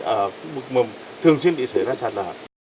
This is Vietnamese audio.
ở mục mầm thường xuyên bị xảy ra sạt lở